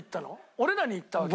俺らに言ったわけ？